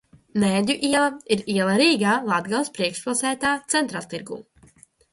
Nēģu iela ir iela Rīgā, Latgales priekšpilsētā, Centrāltirgū.